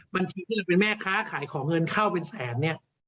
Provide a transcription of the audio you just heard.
ที่เราเป็นแม่ค้าขายของเงินเข้าเป็นแสนเนี่ย